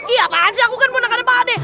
iya pak aja aku kan punang kanak pak ade